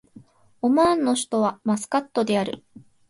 オマーンの首都はマスカットである